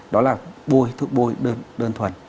đó là bôi thức bôi đơn thuần